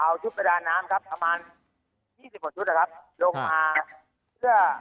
เอาชุดประดานน้ำครับประมาณยี่สิบหกชุดนะครับลงมา